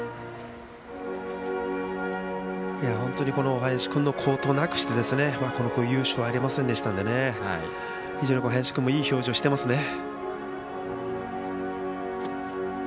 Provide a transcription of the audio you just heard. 本当に林君の好投なくしてこの優勝はありませんでしたので非常に林君もいい表情してますね。